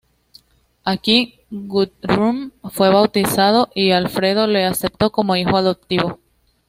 Aquí Guthrum fue bautizado y Alfredo le aceptó como hijo adoptivo.